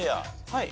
はい。